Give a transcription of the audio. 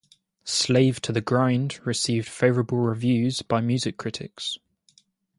"Slave to the Grind" received favorable reviews by music critics.